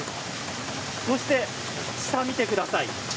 そして下を見てください。